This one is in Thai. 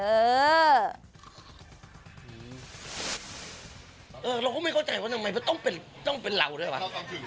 เออเราก็ไม่เข้าใจว่าทำไมมันต้องเป็นเราด้วยหรือเปล่า